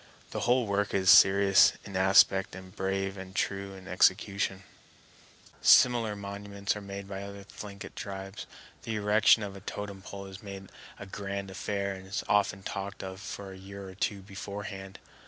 The whole work is serious in aspect and brave and true in execution. Similar monuments are made by other Thlinkit tribes. The erection of a totem pole is made a grand affair, and is often talked of for a year or two beforehand.